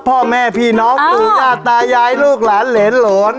พ่อแม่พี่น้องสูงญาติตายายลูกหลานเหรียญโหลน